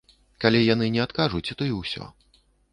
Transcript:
Калі яны не адкажуць, то і ўсё.